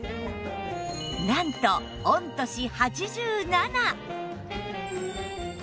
なんと御年 ８７！